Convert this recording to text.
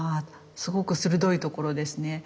すごく鋭いところですね。